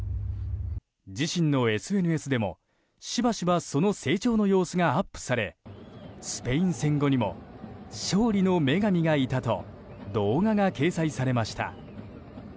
自身のＳＮＳでも、しばしばその成長の様子がアップされスペイン戦後にも勝利の女神がいたと動画が掲載されました。